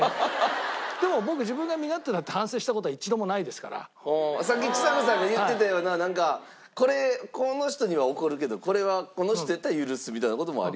でも僕はさっきちさ子さんが言ってたようななんかこれこの人には怒るけどこれはこの人やったら許すみたいな事もありますか？